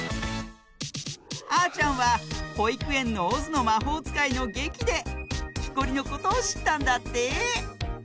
あーちゃんはほいくえんの「オズのまほうつかい」のげきできこりのことをしったんだって。